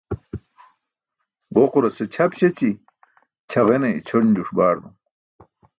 Ġoqurase ćʰap śeći, ćʰagene ićʰonjuṣ baardum.